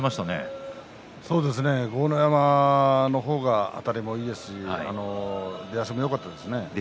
山の方があたりもいいですし出足もいいですね。